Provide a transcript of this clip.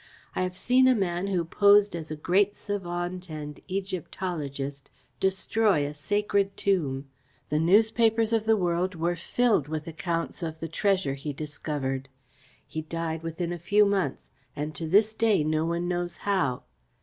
I have seen a man who posed as a great savant and Egyptologist destroy a sacred tomb. The newspapers of the world were filled with accounts of the treasure he discovered. He died within a few months, and to this day no one knows how.